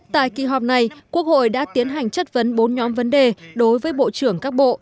tại kỳ họp này quốc hội đã tiến hành chất vấn bốn nhóm vấn đề đối với bộ trưởng các bộ